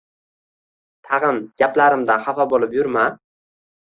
Tagʻin gaplarimdan xafa boʻlib yurma!